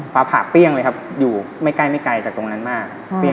ฟ้าผ่าเปรี้ยงเลยครับอยู่ไม่ใกล้ไม่ไกลจากตรงนั้นมาก